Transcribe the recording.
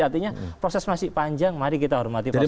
artinya proses masih panjang mari kita hormati proses hukum